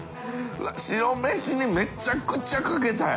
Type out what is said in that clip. Δ白飯にめちゃくちゃかけたい。